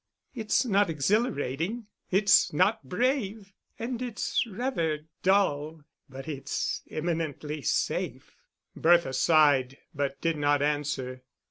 It's not exhilarating, it's not brave, and it's rather dull; but it's eminently safe." Bertha sighed, but did not answer.